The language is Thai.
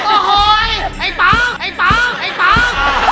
โอ้โหยไอ้ป๊อง